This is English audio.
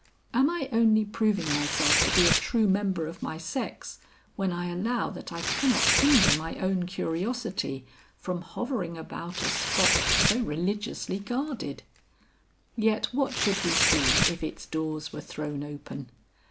Am I only proving myself to be a true member of my sex when I allow that I cannot hinder my own curiosity from hovering about a spot so religiously guarded? Yet what should we see if its doors were thrown open?